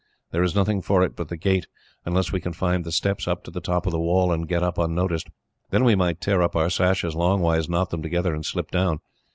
There is nothing for it but the gate, unless we can find the steps up to the top of the wall, and get up unnoticed. Then we might tear up our sashes longways, knot them together, and slip down.